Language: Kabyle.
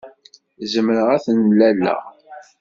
Zemreɣ ad t-nnaleɣ?